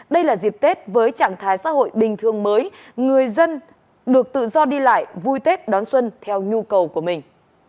đây là dịp tết với trạng thái xã hội bình thường mới người dân được tự do đi lại vui tết đón xuân theo nhu cầu của mình